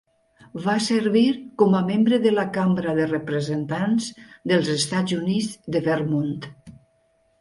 Va servir com a membre de la Cambra de Representants dels Estats Units de Vermont.